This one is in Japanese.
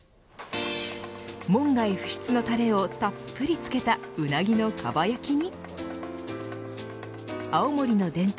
門外不出のタレをたっぷり付けたうなぎのかば焼きに青森の伝統